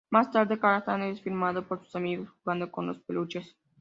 Más tarde Cartman es filmado por sus amigos jugando con los peluches.